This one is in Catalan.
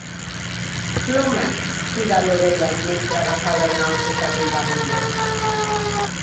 "Ploma!" cridar l'Ovella, mentre agafava un altre parell d'agulles.